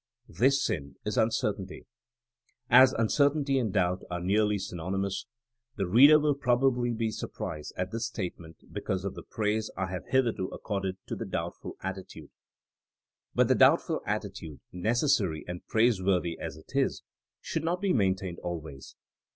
This sin is uncertainty. As uncertainty and doubt are nearly syn onymous, the reader will probably be surprised at this statement because of the praise I have hitherto accorded to the doubtful attitude. But the doubtful attitude, necessary and praise worthy as it is, should not be maintained al ways.